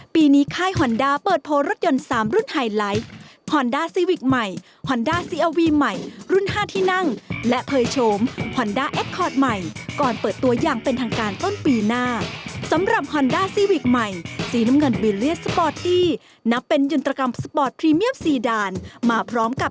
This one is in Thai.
เป็นรุ่นใหม่เลยนะครับไปชมกันหน่อยครับ